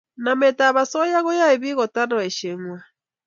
namet ab asoya ko yae piik kotar poshe ngwai